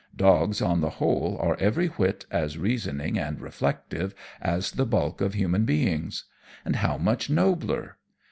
Dogs, on the whole, are every whit as reasoning and reflective as the bulk of human beings! And how much nobler!